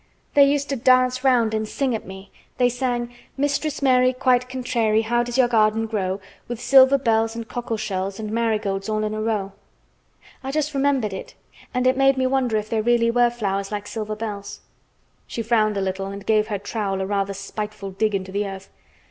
"They used to dance round and sing at me. They sang— 'Mistress Mary, quite contrary, How does your garden grow? With silver bells, and cockle shells, And marigolds all in a row.' I just remembered it and it made me wonder if there were really flowers like silver bells." She frowned a little and gave her trowel a rather spiteful dig into the earth.